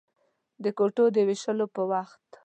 د کوټو د وېشلو په وخت.